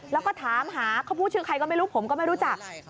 แล้วก็ถามหาเขาพูดชื่อใครก็ไม่รู้ผมก็ไม่รู้จัก